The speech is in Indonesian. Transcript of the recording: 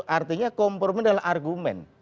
artinya kompromi adalah argumen